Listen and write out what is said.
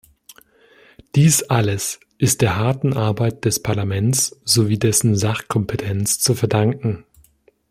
Dies alles ist der harten Arbeit des Parlaments sowie dessen Sachkompetenz zu verdanken.